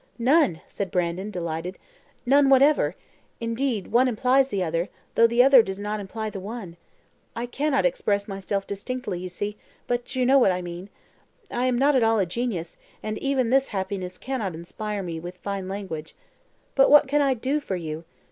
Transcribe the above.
"None," said Brandon, delighted, "none whatever; indeed, one implies the other, though the other does not imply the one. I cannot express myself distinctly, you see, but you know what I mean. I am not at all a genius, and even this happiness cannot inspire me with fine language. But what can I DO for you?